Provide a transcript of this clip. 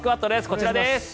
こちらです。